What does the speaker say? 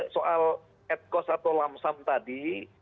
soal ad cost atau lamsam tadi